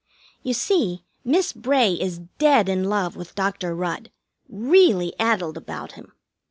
You see, Miss Bray is dead in love with Dr. Rudd really addled about him.